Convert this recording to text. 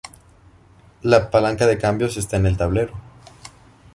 La palanca de cambios está en el tablero.